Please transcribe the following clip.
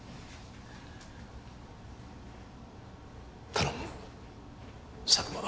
頼む佐久間。